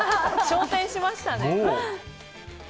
昇天しましたね。